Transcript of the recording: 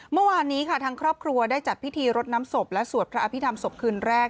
เมื่อวานนี้ค่ะทางครอบครัวได้จัดพิธีรดน้ำศพและสวดพระอภิษฐรรศพคืนแรก